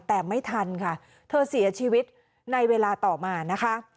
แต่ไม่ทันค่ะเธอเสียชีวิตในเวลาต่อมานะคะ